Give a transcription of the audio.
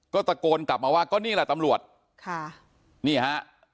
ก็ตะโกนกลับมาว่าก็นี่แหละตำรวจค่ะนี่ฮะ